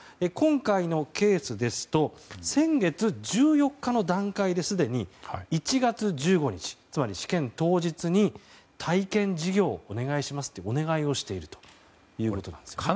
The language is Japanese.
今回のケースですと先月１４日の段階ですでに１月１５日つまり試験当日に体験授業をお願いしますというお願いをしているそうです。